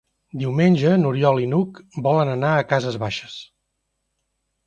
Diumenge n'Oriol i n'Hug volen anar a Cases Baixes.